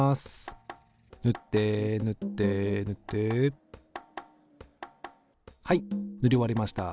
塗って塗って塗ってはい塗り終わりました。